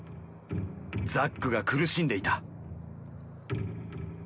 ザックが苦しんでいた。